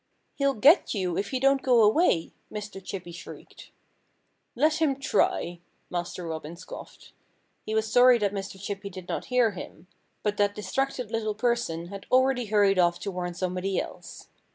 "He'll get you if you don't go away!" Mr. Chippy shrieked. "Let him try!" Master Robin scoffed. He was sorry that Mr. Chippy did not hear him. But that distracted little person had already hurried off to warn somebody else.